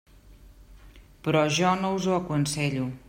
Però jo no us ho aconsello.